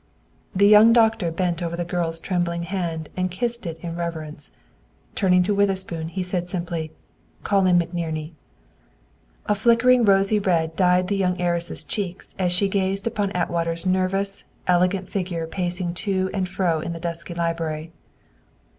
The young doctor bent over the girl's trembling hand and kissed it in reverence. Turning to Witherspoon, he simply said, "Call in McNerney." A flickering rosy red dyed the young heiress' cheeks as she gazed upon Atwater's nervous, elegant figure pacing to and fro in the dusky library.